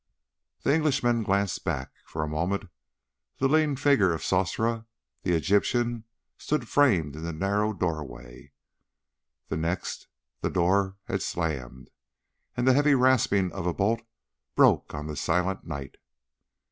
The Englishman glanced back. For a moment the lean figure of Sosra the Egyptian stood framed in the narrow doorway. The next the door had slammed, and the heavy rasping of a bolt broke on the silent night.